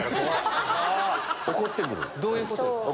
どういうことですか？